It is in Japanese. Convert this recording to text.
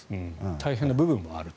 大変な部分もあると。